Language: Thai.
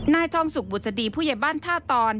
นายทองสุกบุษดีผู้ใหญ่บ้านท่าตอน